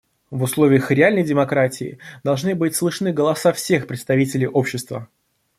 В условиях реальной демократии должны быть слышны голоса всех представителей общества.